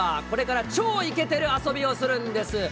これから超いけてる遊びをするんです。